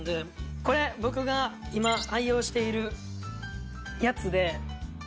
これ僕が今愛用しているやつで。